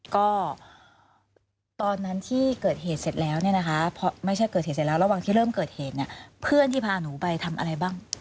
ก็ตอนนั้นที่เกิดเหตุเสร็จแล้วเนี่ยนะคะไม่ใช่เกิดเหตุเสร็จแล้วระหว่างที่เริ่มเกิดเหตุเนี่ยเพื่อนที่พาหนูไปทำอะไรบ้าง